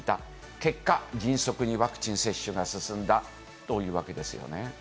結果、迅速にワクチン接種が進んだというわけですよね。